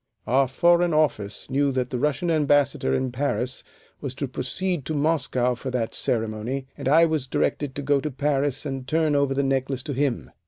Our Foreign Office knew that the Russian Ambassador in Paris was to proceed to Moscow for that ceremony, and I was directed to go to Paris and turn over the necklace to him.